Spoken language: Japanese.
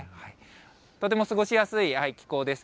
とても過ごしやすい気候です。